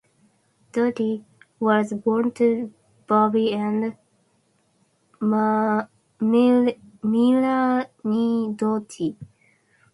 Doty was born to Bobby and Melanie Doty.